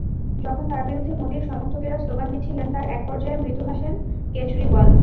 যখন তাঁর বিরুদ্ধে মোদির সমর্থকেরা স্লোগান দিচ্ছিলেন, তার একপর্যায়ে মৃদু হাসেন কেজরিওয়াল।